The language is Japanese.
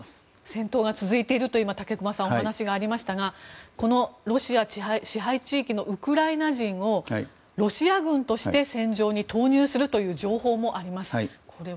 戦闘が続いていると武隈さん、お話がありましたがこのロシア支配地域のウクライナ人をロシア軍として戦場に投入するという情報もあります。